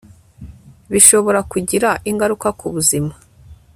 bishobora kugira ingaruka ku buzima